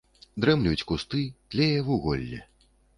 Дрэмлюць кусты, тлее вуголле.